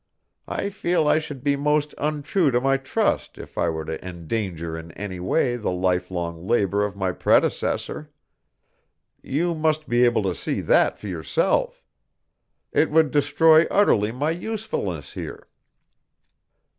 I feel I should be most untrue to my trust if I were to endanger in any way the life long labor of my predecessor. You must be able to see that for yourself. It would destroy utterly my usefulness here.